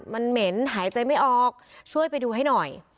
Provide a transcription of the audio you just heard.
มันเหม็นหายใจไม่ออกช่วยไปดูให้หน่อย